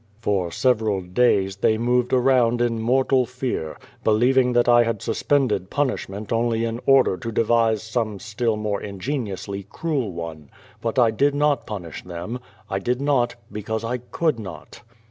For several days they moved around in mortal fear, l)eliev ing that I had suspended punishment only in order to devise some still more ingeniously cruel one. But I did not punish tliem. I did not, because I could not.